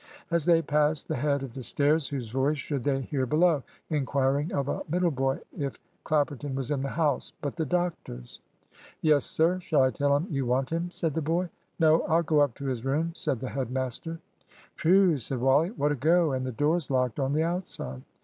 As they passed the head of the stairs, whose voice should they hear below, inquiring of a middle boy if Clapperton was in the house, but the doctor's? "Yes, sir; shall I tell him you want him?" said the boy. "No, I'll go up to his room," said the head master. "Whew!" said Wally, "what a go! and the door's locked on the outside!"